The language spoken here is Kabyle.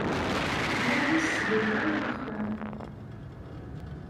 Iɛawed-as ssbiɣa i wexxam.